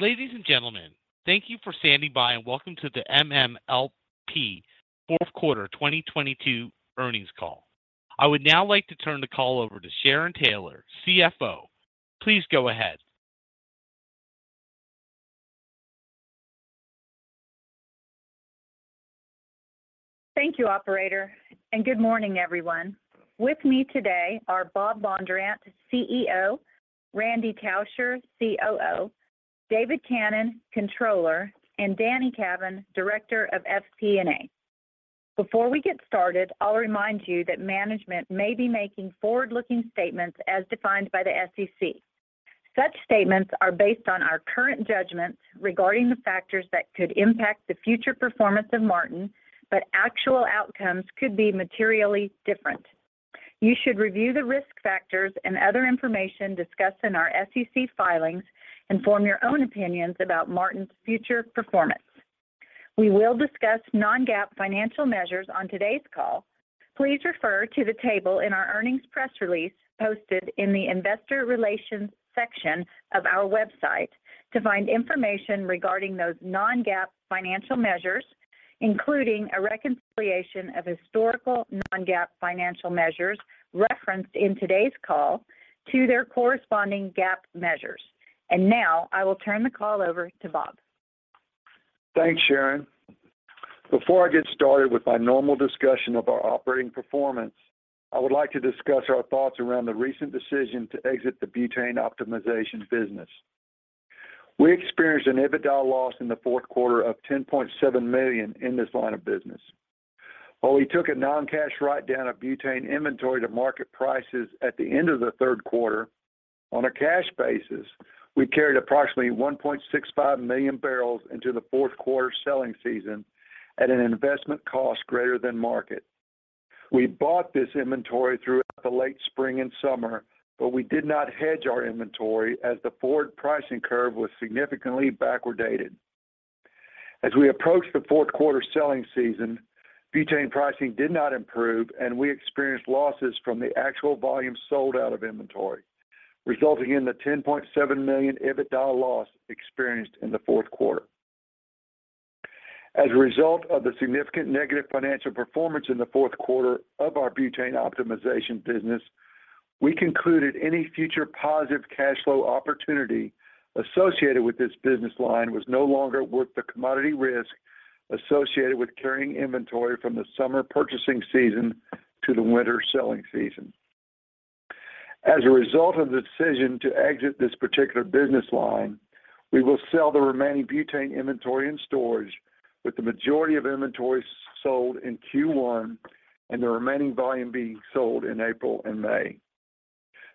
Ladies and gentlemen, thank you for standing by and welcome to the MMLP fourth quarter 2022 earnings call. I would now like to turn the call over to Sharon Taylor, CFO. Please go ahead. Thank you, Operator, good morning, everyone. With me today are Bob Bondurant, CEO, Randy Tauscher, COO, David Cannon, Controller, and Danny Cavin, Director of FP&A. Before we get started, I'll remind you that management may be making forward-looking statements as defined by the SEC. Such statements are based on our current judgments regarding the factors that could impact the future performance of Martin, actual outcomes could be materially different. You should review the risk factors and other information discussed in our SEC filings and form your own opinions about Martin's future performance. We will discuss non-GAAP financial measures on today's call. Please refer to the table in our earnings press release posted in the investor relations section of our website to find information regarding those non-GAAP financial measures, including a reconciliation of historical non-GAAP financial measures referenced in today's call to their corresponding GAAP measures. Now I will turn the call over to Bob. Thanks, Sharon. Before I get started with my normal discussion of our operating performance, I would like to discuss our thoughts around the recent decision to exit the butane optimization business. We experienced an EBITDA loss in the fourth quarter of $10.7 million in this line of business. While we took a non-cash write down of butane inventory to market prices at the end of the third quarter, on a cash basis, we carried approximately 1.65 million barrels into the fourth quarter selling season at an investment cost greater than market. We bought this inventory throughout the late spring and summer, but we did not hedge our inventory as the forward pricing curve was significantly backwardated. As we approached the fourth quarter selling season, butane pricing did not improve and we experienced losses from the actual volume sold out of inventory, resulting in the $10.7 million EBITDA loss experienced in the fourth quarter. As a result of the significant negative financial performance in the fourth quarter of our butane optimization business, we concluded any future positive cash flow opportunity associated with this business line was no longer worth the commodity risk associated with carrying inventory from the summer purchasing season to the winter selling season. As a result of the decision to exit this particular business line, we will sell the remaining butane inventory in storage with the majority of inventory sold in Q1 and the remaining volume being sold in April and May.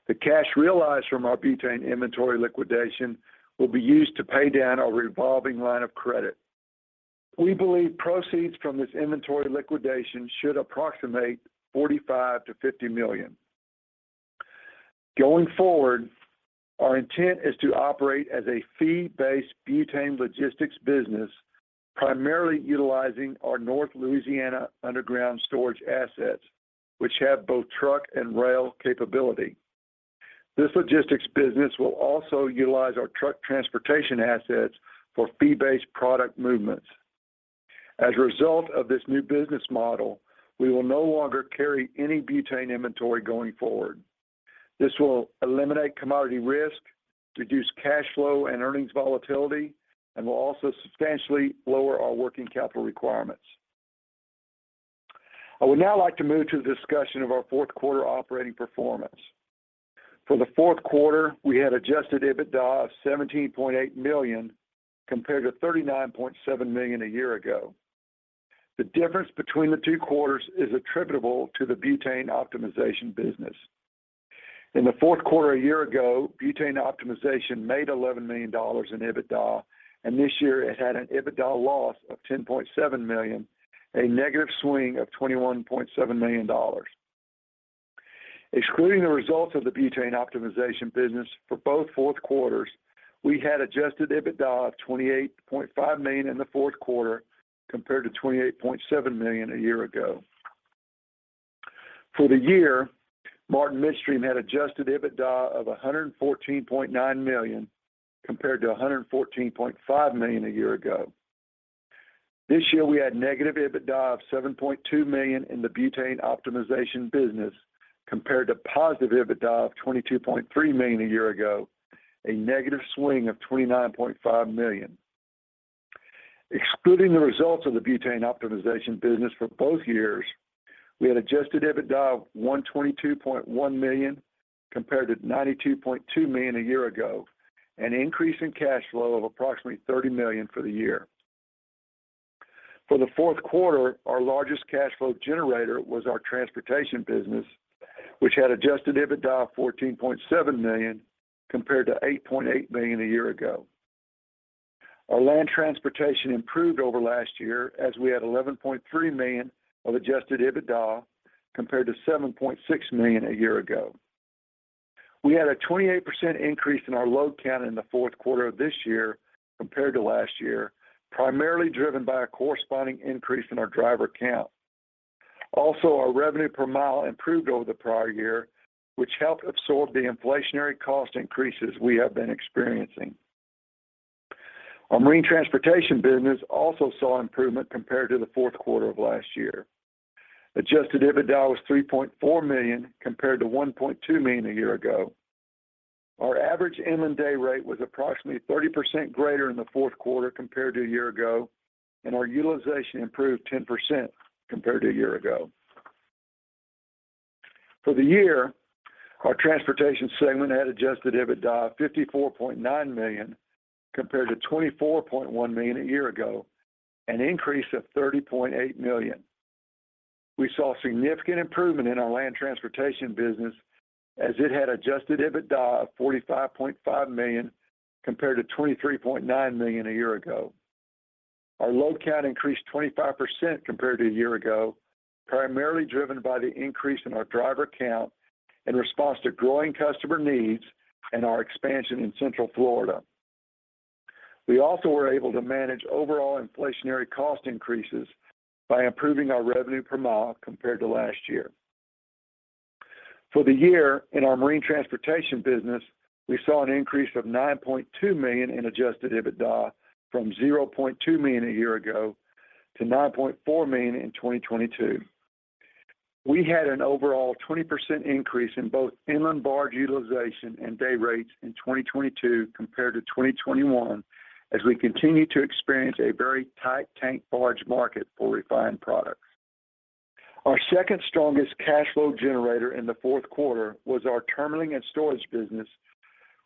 The cash realized from our butane inventory liquidation will be used to pay down our revolving line of credit. We believe proceeds from this inventory liquidation should approximate $45 million-$50 million. Going forward, our intent is to operate as a fee-based butane logistics business, primarily utilizing our North Louisiana underground storage assets, which have both truck and rail capability. This logistics business will also utilize our truck transportation assets for fee-based product movements. As a result of this new business model, we will no longer carry any butane inventory going forward. This will eliminate commodity risk, reduce cash flow and earnings volatility, and will also substantially lower our working capital requirements. I would now like to move to the discussion of our fourth quarter operating performance. For the fourth quarter, we had adjusted EBITDA of $17.8 million compared to $39.7 million a year ago. The difference between the two quarters is attributable to the butane optimization business. In the fourth quarter a year ago, Butane optimization made $11 million in EBITDA, and this year it had an EBITDA loss of $10.7 million, a negative swing of $21.7 million. Excluding the results of the Butane optimization business for both fourth quarters, we had adjusted EBITDA of $28.5 million in the fourth quarter compared to $28.7 million a year ago. For the year, Martin Midstream had adjusted EBITDA of $114.9 million compared to $114.5 million a year ago. This year, we had negative EBITDA of $7.2 million in the Butane optimization business compared to positive EBITDA of $22.3 million a year ago, a negative swing of $29.5 million. Excluding the results of the Butane optimization business for both years, we had adjusted EBITDA of $122.1 million compared to $92.2 million a year ago, an increase in cash flow of approximately $30 million for the year. For the fourth quarter, our largest cash flow generator was our transportation business, which had adjusted EBITDA of $14.7 million compared to $8.8 million a year ago. Our land transportation improved over last year as we had $11.3 million of adjusted EBITDA compared to $7.6 million a year ago. We had a 28% increase in our load count in the fourth quarter of this year compared to last year, primarily driven by a corresponding increase in our driver count. Also, our revenue per mile improved over the prior year, which helped absorb the inflationary cost increases we have been experiencing. Our marine transportation business also saw improvement compared to the fourth quarter of last year. Adjusted EBITDA was $3.4 million, compared to $1.2 million a year ago. Our average M&A rate was approximately 30% greater in the fourth quarter compared to a year ago. Our utilization improved 10% compared to a year ago. For the year, our transportation segment had adjusted EBITDA of $54.9 million, compared to $24.1 million a year ago, an increase of $30.8 million. We saw significant improvement in our land transportation business as it had adjusted EBITDA of $45.5 million, compared to $23.9 million a year ago. Our load count increased 25% compared to a year ago, primarily driven by the increase in our driver count in response to growing customer needs and our expansion in Central Florida. We also were able to manage overall inflationary cost increases by improving our revenue per mile compared to last year. For the year in our marine transportation business, we saw an increase of $9.2 million in adjusted EBITDA from $0.2 million a year ago to $9.4 million in 2022. We had an overall 20% increase in both inland barge utilization and day rates in 2022 compared to 2021 as we continue to experience a very tight tank barge market for refined products. Our second strongest cash flow generator in the fourth quarter was our terminalling and storage business,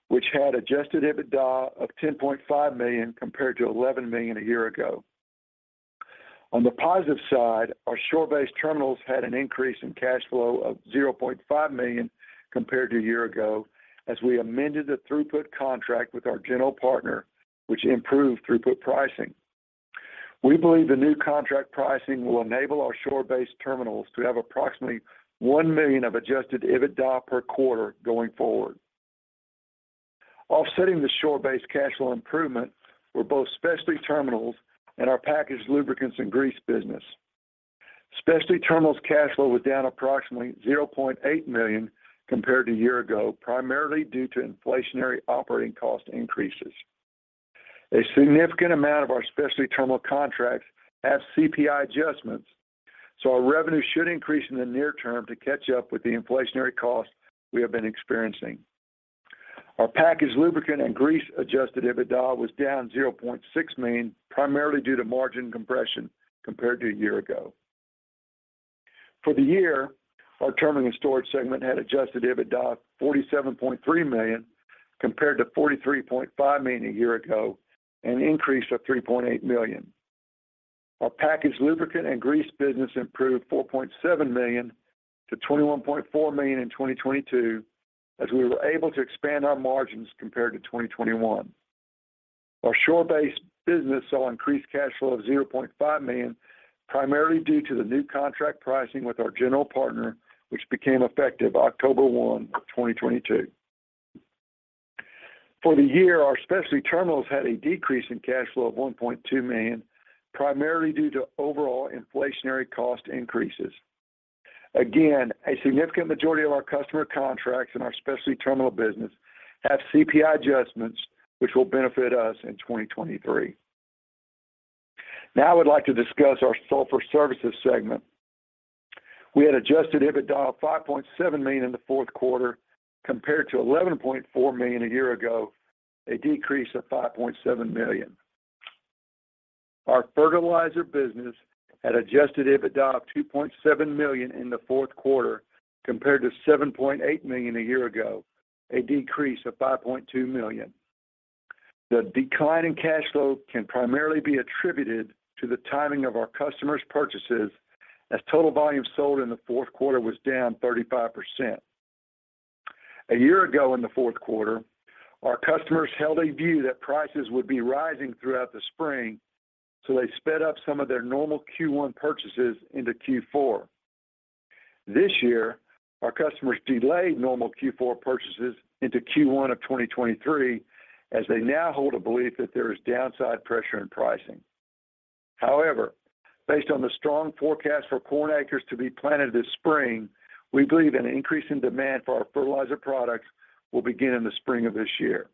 which had adjusted EBITDA of $10.5 million compared to $11 million a year ago. The positive side, our shore-based terminals had an increase in cash flow of $0.5 million compared to a year ago as we amended the throughput contract with our general partner, which improved throughput pricing. We believe the new contract pricing will enable our shore-based terminals to have approximately $1 million of adjusted EBITDA per quarter going forward. Offsetting the shore-based cash flow improvement were both specialty terminals and our packaged lubricants and grease business. Specialty terminals cash flow was down approximately $0.8 million compared to a year ago, primarily due to inflationary operating cost increases. A significant amount of our specialty terminal contracts have CPI adjustments, our revenue should increase in the near term to catch up with the inflationary costs we have been experiencing. Our packaged lubricant and grease adjusted EBITDA was down $0.6 million, primarily due to margin compression compared to a year ago. For the year, our terminalling and storage segment had adjusted EBITDA of $47.3 million compared to $43.5 million a year ago, an increase of $3.8 million. Our packaged lubricant and grease business improved $4.7 million to $21.4 million in 2022, as we were able to expand our margins compared to 2021. Our shore-based business saw increased cash flow of $0.5 million, primarily due to the new contract pricing with our general partner, which became effective October 1, 2022. For the year, our specialty terminals had a decrease in cash flow of $1.2 million, primarily due to overall inflationary cost increases. Again, a significant majority of our customer contracts in our specialty terminal business have CPI adjustments which will benefit us in 2023. I would like to discuss our sulfur services segment. We had adjusted EBITDA of $5.7 million in the fourth quarter compared to $11.4 million a year ago, a decrease of $5.7 million. Our fertilizer business had adjusted EBITDA of $2.7 million in the fourth quarter compared to $7.8 million a year ago, a decrease of $5.2 million. The decline in cash flow can primarily be attributed to the timing of our customers' purchases as total volume sold in the fourth quarter was down 35%. A year ago in the fourth quarter, our customers held a view that prices would be rising throughout the spring, so they sped up some of their normal Q1 purchases into Q4. This year, our customers delayed normal Q4 purchases into Q1 of 2023 as they now hold a belief that there is downside pressure in pricing. Based on the strong forecast for corn acres to be planted this spring, we believe an increase in demand for our fertilizer products will begin in the spring of this year.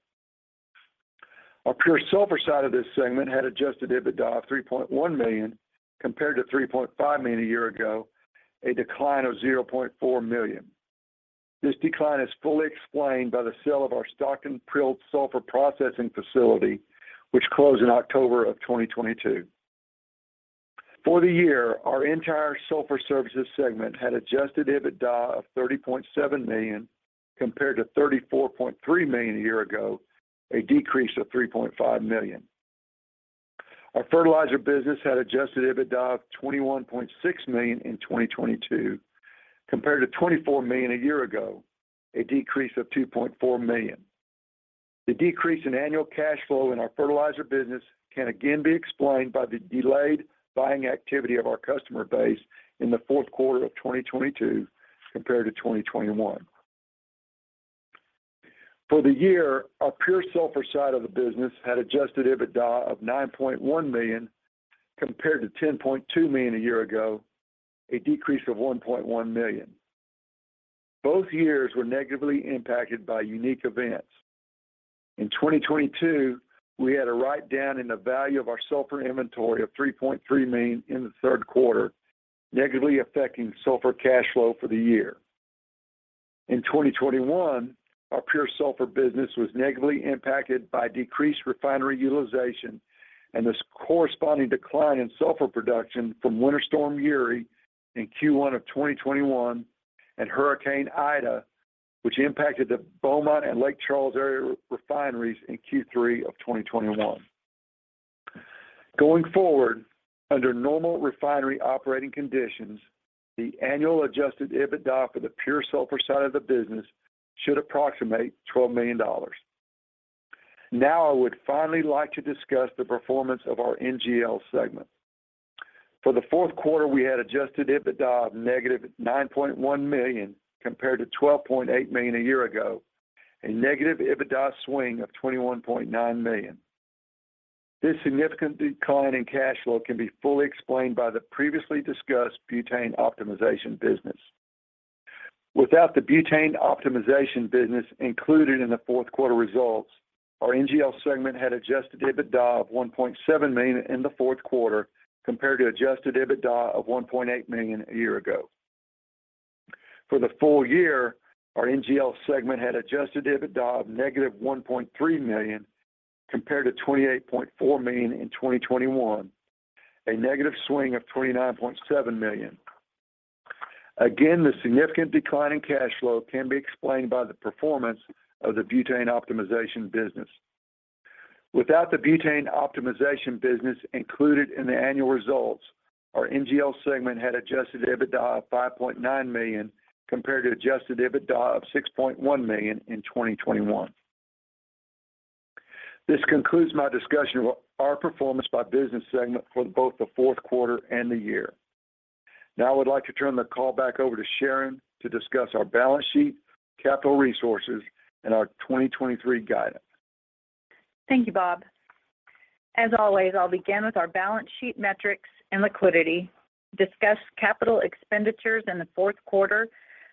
Our pure sulfur side of this segment had adjusted EBITDA of $3.1 million compared to $3.5 million a year ago, a decline of $0.4 million. This decline is fully explained by the sale of our Stockton prilled sulfur processing facility, which closed in October of 2022. For the year, our entire sulfur services segment had adjusted EBITDA of $30.7 million compared to $34.3 million a year ago, a decrease of $3.5 million. Our fertilizer business had adjusted EBITDA of $21.6 million in 2022 compared to $24 million a year ago, a decrease of $2.4 million. The decrease in annual cash flow in our fertilizer business can again be explained by the delayed buying activity of our customer base in the fourth quarter of 2022 compared to 2021. For the year, our pure sulfur side of the business had adjusted EBITDA of $9.1 million compared to $10.2 million a year ago, a decrease of $1.1 million. Both years were negatively impacted by unique events. In 2022, we had a write-down in the value of our sulfur inventory of $3.3 million in the third quarter, negatively affecting sulfur cash flow for the year. In 2021, our pure sulfur business was negatively impacted by decreased refinery utilization and this corresponding decline in sulfur production from Winter Storm Uri in Q1 of 2021 and Hurricane Ida, which impacted the Beaumont and Lake Charles area refineries in Q3 of 2021. Going forward, under normal refinery operating conditions, the annual adjusted EBITDA for the pure sulfur side of the business should approximate $12 million. I would finally like to discuss the performance of our NGL segment. For the fourth quarter, we had adjusted EBITDA of negative $9.1 million compared to $12.8 million a year ago, a negative EBITDA swing of $21.9 million. This significant decline in cash flow can be fully explained by the previously discussed butane optimization business. Without the butane optimization business included in the fourth quarter results, our NGL segment had adjusted EBITDA of $1.7 million in the fourth quarter compared to adjusted EBITDA of $1.8 million a year ago. For the full year, our NGL segment had adjusted EBITDA of negative $1.3 million compared to $28.4 million in 2021, a negative swing of $29.7 million. The significant decline in cash flow can be explained by the performance of the Butane optimization business. Without the butane optimization business included in the annual results, our NGL segment had adjusted EBITDA of $5.9 million compared to adjusted EBITDA of $6.1 million in 2021. This concludes my discussion of our performance by business segment for both the fourth quarter and the year. Now I would like to turn the call back over to Sharon to discuss our balance sheet, capital resources, and our 2023 guidance. Thank you, Bob. As always, I'll begin with our balance sheet metrics and liquidity, discuss capital expenditures in the fourth quarter,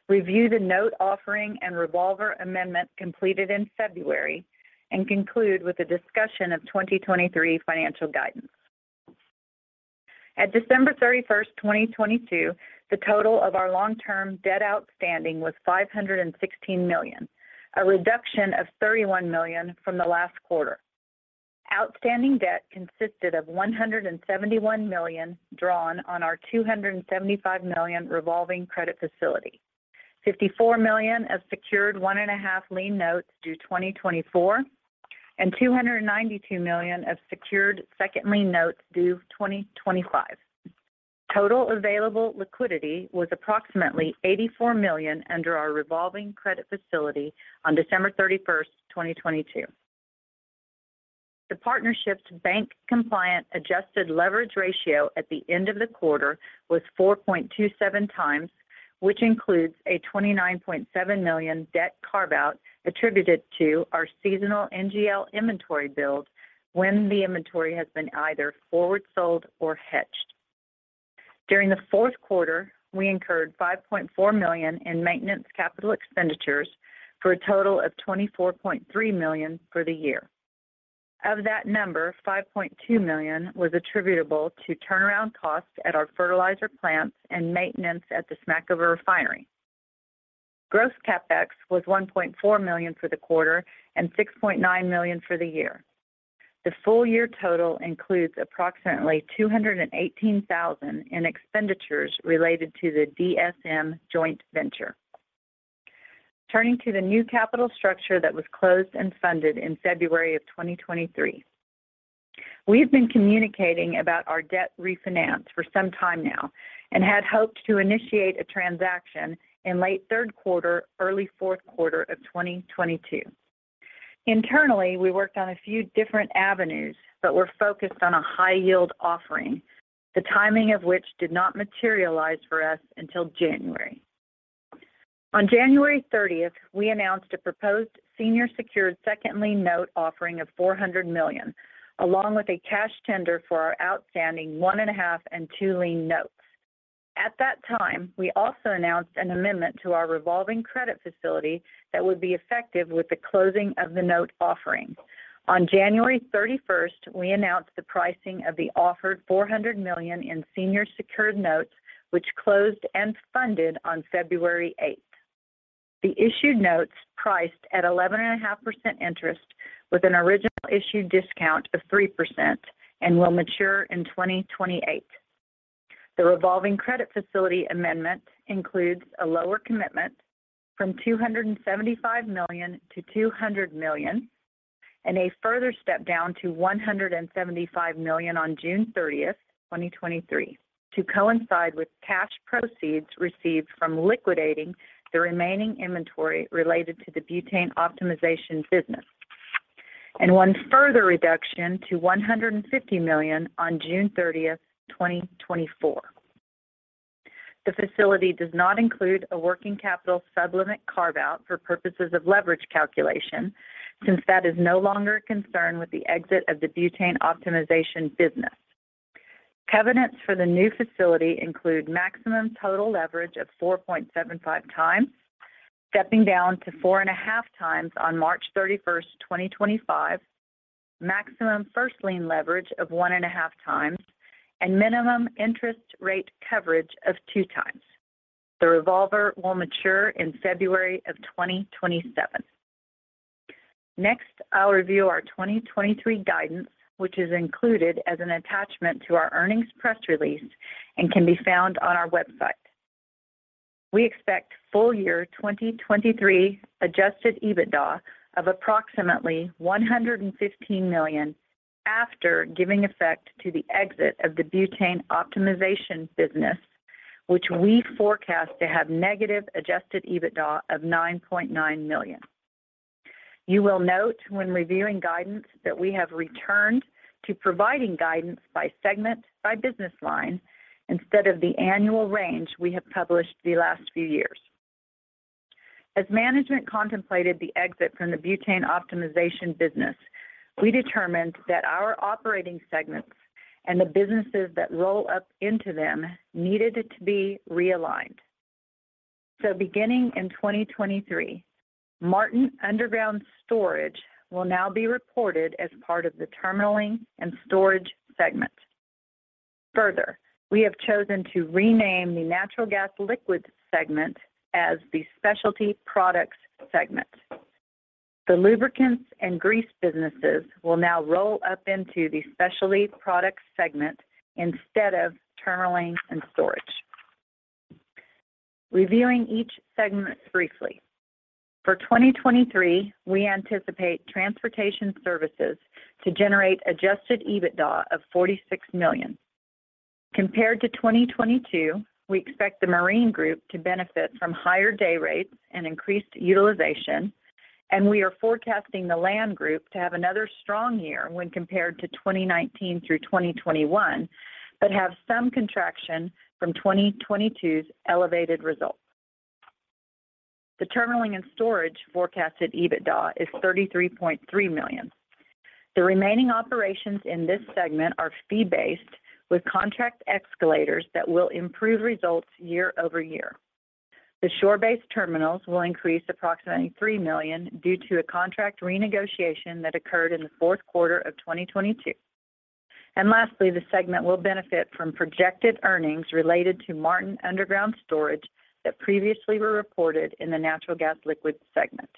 review the note offering and revolver amendment completed in February, and conclude with a discussion of 2023 financial guidance. At December 31, 2022, the total of our long-term debt outstanding was $516 million, a reduction of $31 million from the last quarter. Outstanding debt consisted of $171 million drawn on our $275 million revolving credit facility, $54 million of secured 1.5 lien notes due 2024, and $292 million of secured second lien notes due 2025. Total available liquidity was approximately $84 million under our revolving credit facility on December 31, 2022. The partnership's bank compliant adjusted leverage ratio at the end of the quarter was 4.27 times, which includes a $29.7 million debt carve-out attributed to our seasonal NGL inventory build when the inventory has been either forward sold or hedged. During the fourth quarter, we incurred $5.4 million in maintenance capital expenditures for a total of $24.3 million for the year. Of that number, $5.2 million was attributable to turnaround costs at our fertilizer plants and maintenance at the Smackover Refinery. Gross CapEx was $1.4 million for the quarter and $6.9 million for the year. The full year total includes approximately $218,000 in expenditures related to the DSM joint venture. Turning to the new capital structure that was closed and funded in February of 2023. We've been communicating about our debt refinance for some time now and had hoped to initiate a transaction in late third quarter, early fourth quarter of 2022. Internally, we worked on a few different avenues, but were focused on a high-yield offering, the timing of which did not materialize for us until January. On January 30th, we announced a proposed senior secured second lien note offering of $400 million, along with a cash tender for our outstanding one and a half and two lien notes. At that time, we also announced an amendment to our revolving credit facility that would be effective with the closing of the note offering. On January 31st, we announced the pricing of the offered $400 million in senior secured notes, which closed and funded on February 8th. The issued notes priced at 11.5% interest with an original issue discount of 3% and will mature in 2028. The revolving credit facility amendment includes a lower commitment from $275 million to $200 million and a further step down to $175 million on June 30th, 2023 to coincide with cash proceeds received from liquidating the remaining inventory related to the butane optimization business, and one further reduction to $150 million on June 30th, 2024. The facility does not include a working capital sub-limit carve-out for purposes of leverage calculation since that is no longer a concern with the exit of the butane optimization business. Covenants for the new facility include maximum total leverage of 4.75x, stepping down to 4.5x on March 31st, 2025, maximum first lien leverage of 1.5x, and minimum interest rate coverage of 2x. The revolver will mature in February 2027. Next, I'll review our 2023 guidance, which is included as an attachment to our earnings press release and can be found on our website. We expect full year 2023 adjusted EBITDA of approximately $115 million after giving effect to the exit of the butane optimization business, which we forecast to have negative adjusted EBITDA of $9.9 million. You will note when reviewing guidance that we have returned to providing guidance by segment by business line instead of the annual range we have published the last few years. As management contemplated the exit from the butane optimization business, we determined that our operating segments and the businesses that roll up into them needed to be realigned. Beginning in 2023, Martin Underground Storage will now be reported as part of the terminaling and storage segment. Further, we have chosen to rename the natural gas liquids segment as the specialty products segment. The lubricants and grease businesses will now roll up into the specialty products segment instead of terminaling and storage. Reviewing each segment briefly. For 2023, we anticipate transportation services to generate adjusted EBITDA of $46 million. Compared to 2022, we expect the marine group to benefit from higher day rates and increased utilization, and we are forecasting the land group to have another strong year when compared to 2019 through 2021 but have some contraction from 2022's elevated results. The terminaling and storage forecasted EBITDA is $33.3 million. The remaining operations in this segment are fee-based with contract escalators that will improve results year over year. The shore-based terminals will increase approximately $3 million due to a contract renegotiation that occurred in the fourth quarter of 2022. Lastly, the segment will benefit from projected earnings related to Martin Underground Storage that previously were reported in the natural gas liquids segment.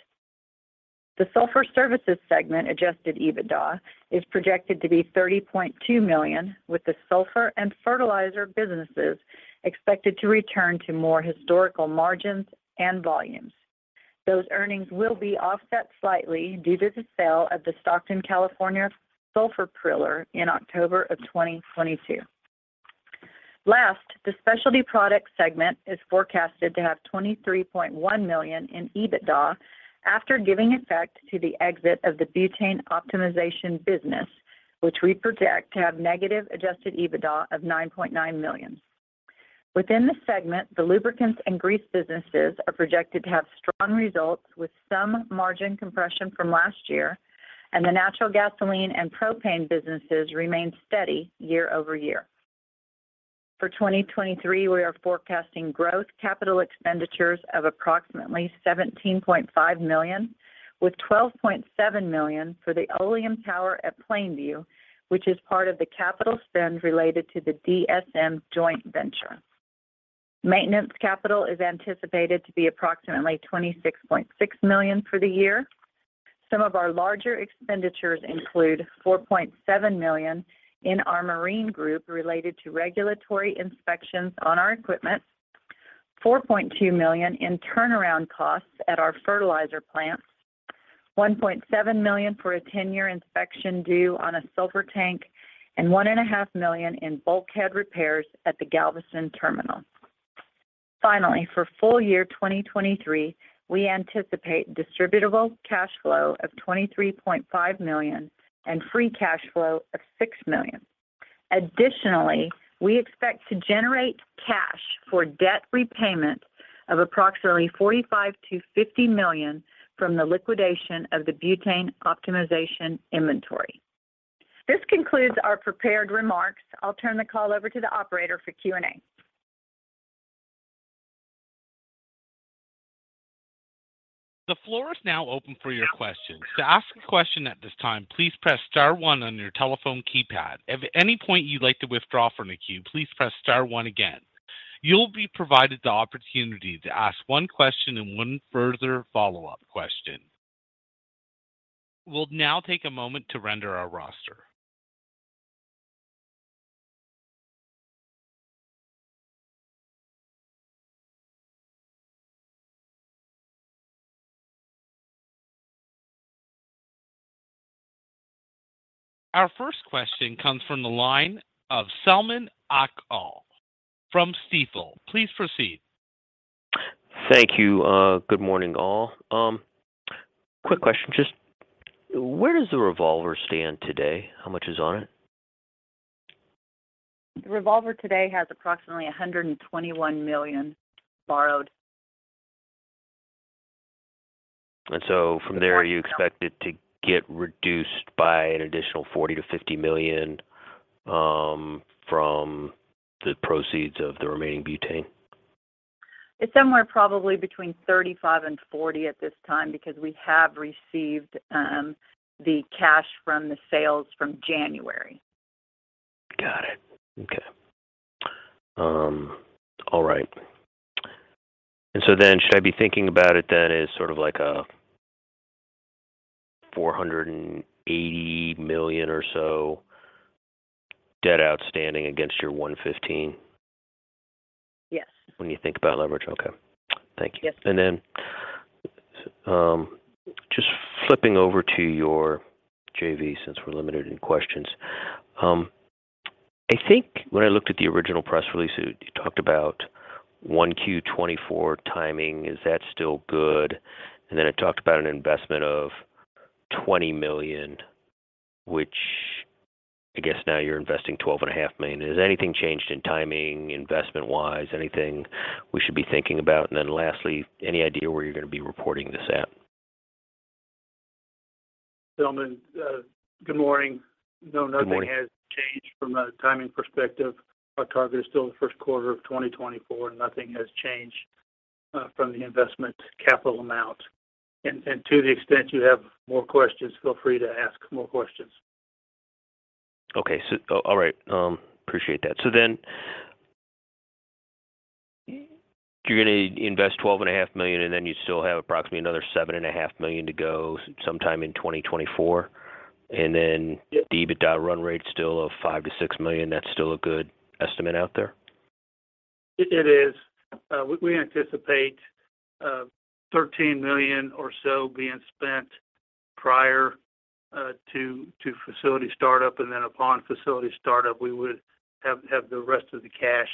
The sulfur services segment adjusted EBITDA is projected to be $30.2 million, with the sulfur and fertilizer businesses expected to return to more historical margins and volumes. Those earnings will be offset slightly due to the sale of the Stockton, California, sulfur priller in October of 2022. The specialty product segment is forecasted to have $23.1 million in EBITDA after giving effect to the exit of the butane optimization business, which we project to have negative adjusted EBITDA of $9.9 million. Within the segment, the lubricants and grease businesses are projected to have strong results with some margin compression from last year. The natural gasoline and propane businesses remain steady year-over-year. For 2023, we are forecasting growth capital expenditures of approximately $17.5 million, with $12.7 million for the Oleum tower at Plainview, which is part of the capital spend related to the DSM joint venture. Maintenance capital is anticipated to be approximately $26.6 million for the year. Some of our larger expenditures include $4.7 million in our marine group related to regulatory inspections on our equipment, $4.2 million in turnaround costs at our fertilizer plants, $1.7 million for a 10-year inspection due on a sulfur tank, one and a half million in bulkhead repairs at the Galveston terminal. Finally, for full year 2023, we anticipate distributable cash flow of $23.5 million and free cash flow of $6 million. Additionally, we expect to generate cash for debt repayment of approximately $45 million-$50 million from the liquidation of the butane optimization inventory. This concludes our prepared remarks. I'll turn the call over to the operator for Q&A. The floor is now open for your questions. To ask a question at this time, please press star one on your telephone keypad. If at any point you'd like to withdraw from the queue, please press star one again. You'll be provided the opportunity to ask one question and one further follow-up question. We'll now take a moment to render our roster. Our first question comes from the line of Selman Akyol from Stifel. Please proceed. Thank you. Good morning, all. Quick question. Just where does the revolver stand today? How much is on it? The revolver today has approximately $121 million borrowed. From there, you expect it to get reduced by an additional $40 million-$50 million from the proceeds of the remaining Butane? It's somewhere probably between $35 and $40 at this time because we have received the cash from the sales from January. Got it. Okay. All right. Should I be thinking about it then as sort of like a $480 million or so debt outstanding against your $115 million? Yes. When you think about leverage. Okay. Thank you. Yes. Just flipping over to your JV since we're limited in questions. I think when I looked at the original press release, you talked about 1 Q-2024 timing. Is that still good? It talked about an investment of $20 million, which I guess now you're investing $12 and a half million. Has anything changed in timing, investment-wise? Anything we should be thinking about? Lastly, any idea where you're going to be reporting this at? Selman, good morning. Good morning. No, nothing has changed from a timing perspective. Our target is still the first quarter of 2024. Nothing has changed from the investment capital amount. To the extent you have more questions, feel free to ask more questions. Okay. all right. Appreciate that. You're gonna invest $12.5 million, and then you still have approximately another $7.5 million to go sometime in 2024. Yes. The EBITDA run rate still of $5 million-$6 million, that's still a good estimate out there? It is. We anticipate $13 million or so being spent prior to facility startup. Upon facility startup, we would have the rest of the cash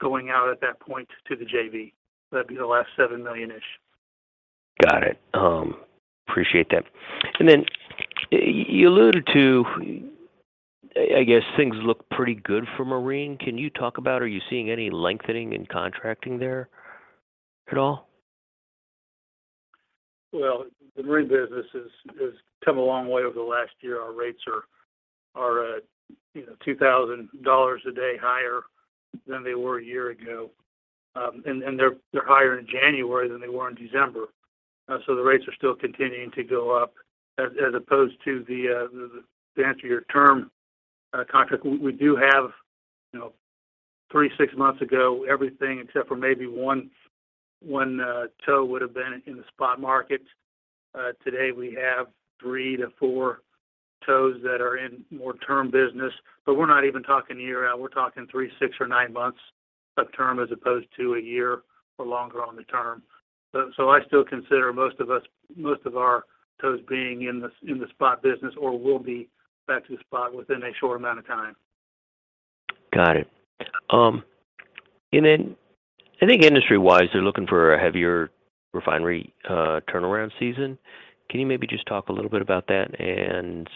going out at that point to the JV. That'd be the last $7 million-ish. Got it. Appreciate that. Then you alluded to, I guess, things look pretty good for marine. Can you talk about are you seeing any lengthening in contracting there at all? Well, the marine business has come a long way over the last year. Our rates are, you know, $2,000 a day higher than they were a year ago. They're higher in January than they were in December. The rates are still continuing to go up as opposed to the. To answer your term contract, we do have, you know, three, six months ago, everything except for maybe one tow would have been in the spot market. Today we have three to four tows that are in more term business, but we're not even talking a year out. We're talking three, six, or nine months of term as opposed to a year or longer on the term. I still consider most of our tows being in the spot business or will be back to the spot within a short amount of time. Got it. I think industry-wise, they're looking for a heavier refinery, turnaround season. Can you maybe just talk a little bit about that and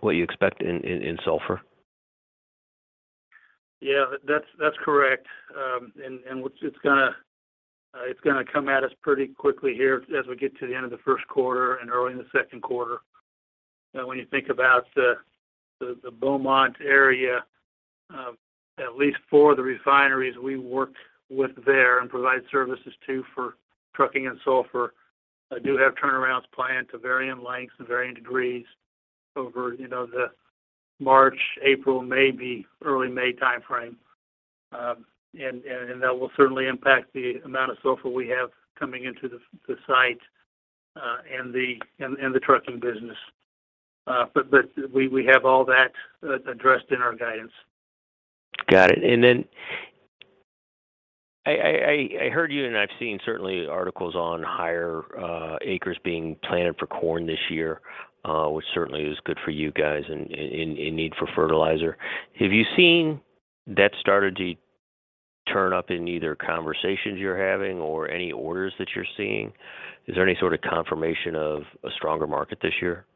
what you expect in sulfur? Yeah. That's correct. It's gonna come at us pretty quickly here as we get to the end of the first quarter and early in the second quarter. When you think about the Beaumont area, at least for the refineries we work with there and provide services to for trucking and sulfur, do have turnarounds planned to varying lengths and varying degrees over, you know, the March, April, May, be early May timeframe. That will certainly impact the amount of sulfur we have coming into the site and the trucking business. But we have all that addressed in our guidance. Got it. I heard you and I've seen certainly articles on higher acres being planted for corn this year, which certainly is good for you guys in need for fertilizer. Have you seen that started to turn up in either conversations you're having or any orders that you're seeing? Is there any sort of confirmation of a stronger market this year?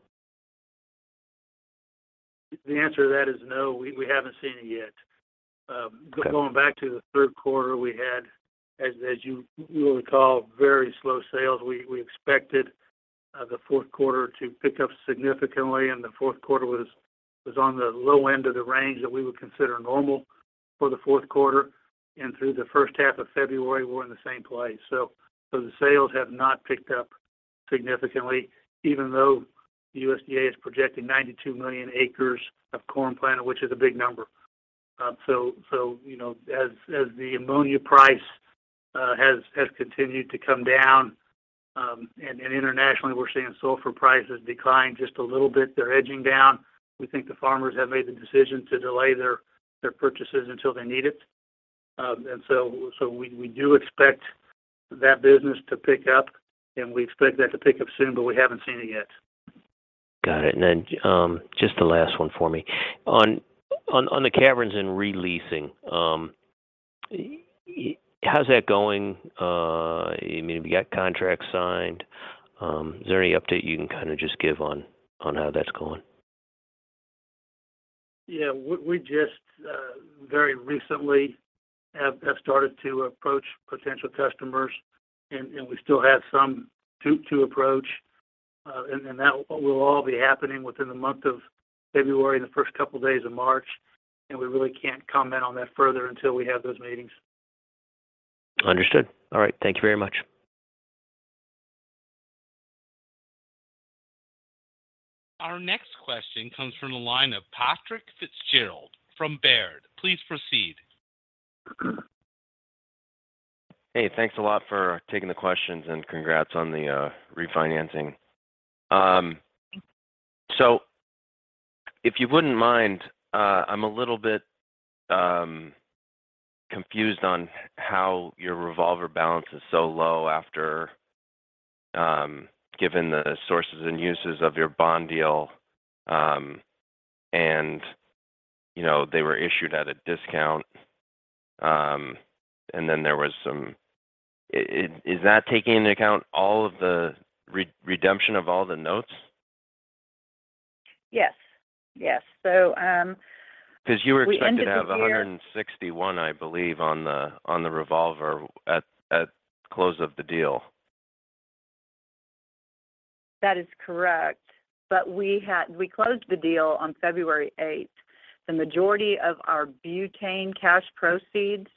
The answer to that is no. We haven't seen it yet. Okay. Going back to the third quarter, we had, as you will recall, very slow sales. We expected the fourth quarter to pick up significantly, and the fourth quarter was on the low end of the range that we would consider normal for the fourth quarter. Through the first half of February, we're in the same place. The sales have not picked up significantly, even though USDA is projecting 92 million acres of corn planted, which is a big number. You know, as the ammonia price has continued to come down, and internationally, we're seeing sulfur prices decline just a little bit. They're edging down. We think the farmers have made the decision to delay their purchases until they need it. We, we do expect that business to pick up, and we expect that to pick up soon, but we haven't seen it yet. Got it. Then, just the last one for me. On the caverns and re-leasing, how's that going? I mean, have you got contracts signed? Is there any update you can kind of just give on how that's going? Yeah. We just very recently have started to approach potential customers, and we still have some to approach. That will all be happening within the month of February, the first couple days of March. We really can't comment on that further until we have those meetings. Understood. All right. Thank you very much. Our next question comes from the line of Patrick Fitzgerald from Baird. Please proceed. Hey, thanks a lot for taking the questions. Congrats on the refinancing. If you wouldn't mind, I'm a little bit confused on how your revolver balance is so low after given the sources and uses of your bond deal, and, you know, they were issued at a discount. Is that taking into account all of the redemption of all the notes? Yes. Yes. we entered the deal. You were expected to have $161, I believe, on the, on the revolver at close of the deal. That is correct. We closed the deal on February 8th. The majority of our butane cash proceeds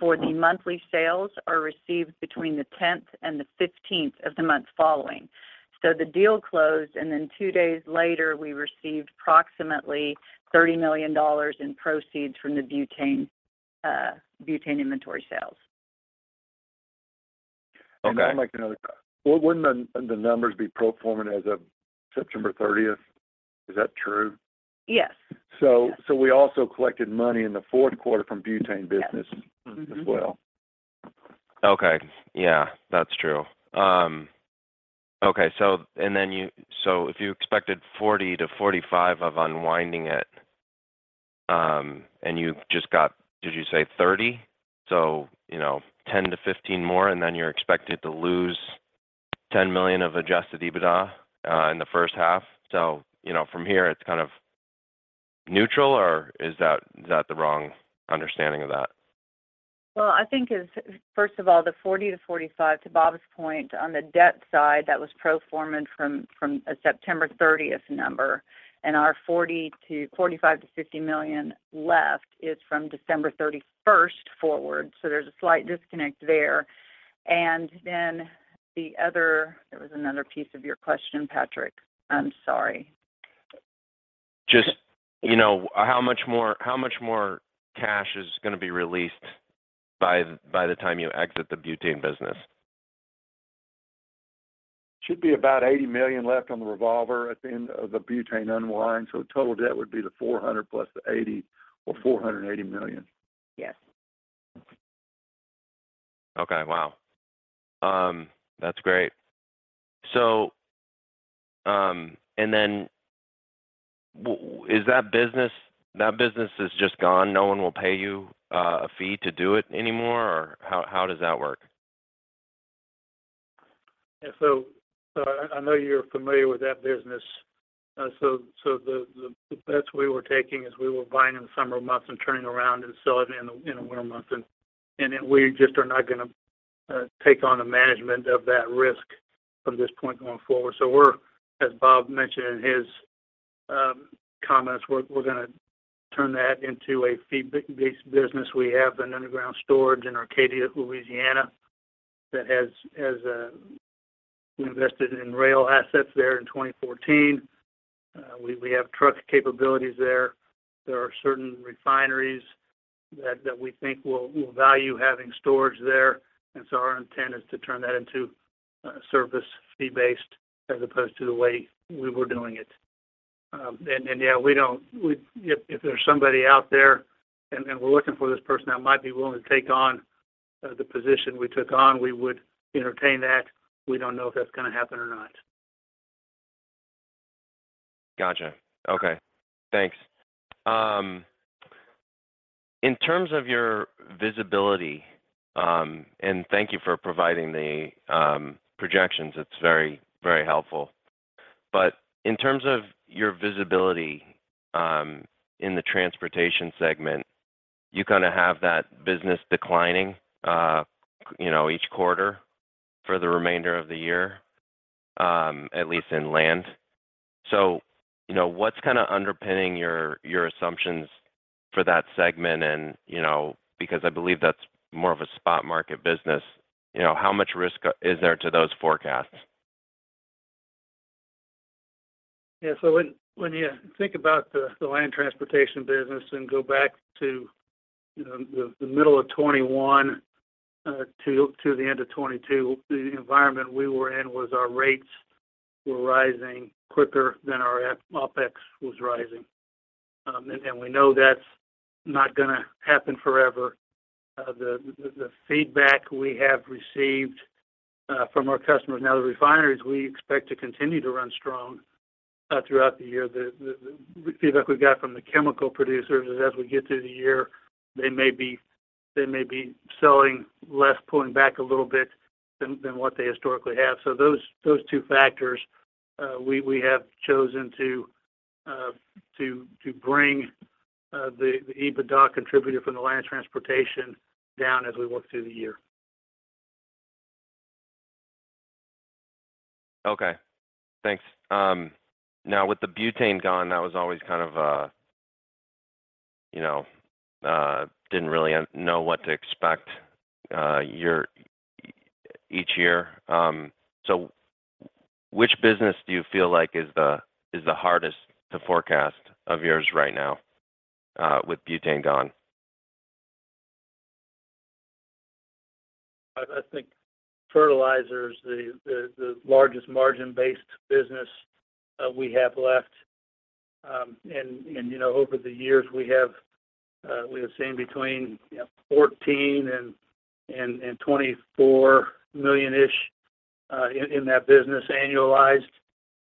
for the monthly sales are received between the 10th and the 15th of the month following. The deal closed, and then two days later, we received approximately $30 million in proceeds from the butane inventory sales. Okay. Well, wouldn't the numbers be pro forma as of September 30th? Is that true? Yes. Yeah. We also collected money in the fourth quarter from Butane. Yes. Mm-hmm. As well. Okay. Yeah, that's true. Okay. And then you so if you expected 40 to 45 of unwinding it, and you just got, did you say 30? You know, 10 to 15 more, and then you're expected to lose $10 million of adjusted EBITDA in the first half. You know, from here it's kind of neutral, or is that, is that the wrong understanding of that? I think it's, first of all, the $40 million-$45 million, to Bob's point, on the debt side, that was pro forma from a September 30th number. Our $45 million-$50 million left is from December 31st forward. There's a slight disconnect there. The other... There was another piece of your question, Patrick. I'm sorry. Just, you know, how much more cash is gonna be released by the time you exit the butane business? Should be about $80 million left on the revolver at the end of the butane unwind. The total debt would be the $400 plus the $80, or $480 million. Yes. Wow. That's great. Is that business just gone? No one will pay you a fee to do it anymore, or how does that work? Yeah. I know you're familiar with that business. The bets we were taking is we were buying in the summer months and turning around and selling in the winter months. Then we just are not gonna take on the management of that risk from this point going forward. We're, as Bob mentioned in his comments, we're gonna turn that into a fee-based business. We have an underground storage in Arcadia, Louisiana, that has, we invested in rail assets there in 2014. We have truck capabilities there. There are certain refineries that we think will value having storage there. Our intent is to turn that into a service fee based as opposed to the way we were doing it. Yeah, if there's somebody out there and we're looking for this person that might be willing to take on, the position we took on, we would entertain that. We don't know if that's gonna happen or not. Gotcha. Okay. Thanks. In terms of your visibility, and thank you for providing the projections, it's very, very helpful. In terms of your visibility, in the transportation segment, you kind of have that business declining, you know, each quarter for the remainder of the year, at least in land. You know, what's kinda underpinning your assumptions for that segment? You know, because I believe that's more of a spot market business, you know, how much risk is there to those forecasts? When, when you think about the land transportation business and go back to, you know, the middle of 2021, to the end of 2022, the environment we were in was our rates were rising quicker than our OpEx was rising. And we know that's not gonna happen forever. The, the feedback we have received from our customers and other refineries, we expect to continue to run strong throughout the year. The, the feedback we got from the chemical producers is as we get through the year, they may be selling less, pulling back a little bit than what they historically have. Those two factors, we have chosen to bring the EBITDA contributor from the land transportation down as we work through the year. Okay. Thanks. Now with the butane gone, that was always kind of, you know, didn't really know what to expect each year. Which business do you feel like is the hardest to forecast of yours right now, with butane gone? I think fertilizer is the largest margin-based business we have left. You know, over the years, we have seen between 14 and $24 million-ish in that business annualized.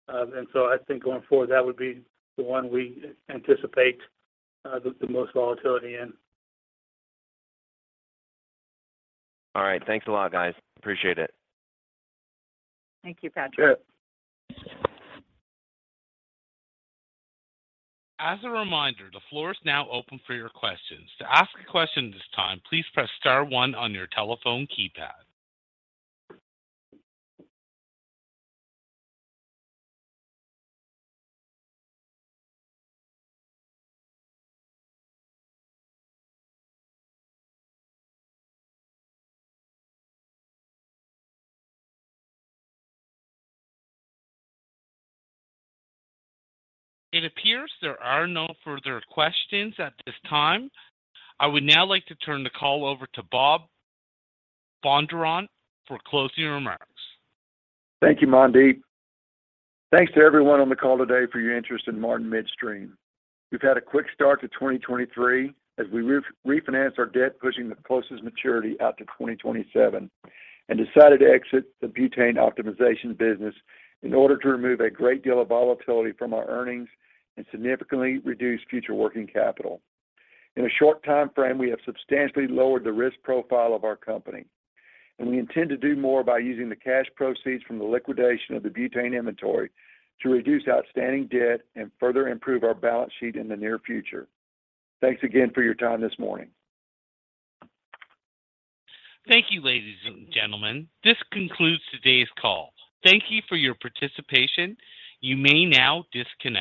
I think going forward, that would be the one we anticipate the most volatility in. All right. Thanks a lot, guys. Appreciate it. Thank you, Patrick. Sure. As a reminder, the floor is now open for your questions. To ask a question at this time, please press star one on your telephone keypad. It appears there are no further questions at this time. I would now like to turn the call over to Bob Bondurant for closing remarks. Thank you, Mandeep. Thanks to everyone on the call today for your interest in Martin Midstream. We've had a quick start to 2023 as we refinance our debt, pushing the closest maturity out to 2027 and decided to exit the Butane optimization business in order to remove a great deal of volatility from our earnings and significantly reduce future working capital. In a short timeframe, we have substantially lowered the risk profile of our company, and we intend to do more by using the cash proceeds from the liquidation of the Butane inventory to reduce outstanding debt and further improve our balance sheet in the near future. Thanks again for your time this morning. Thank you, ladies and gentlemen. This concludes today's call. Thank you for your participation. You may now disconnect.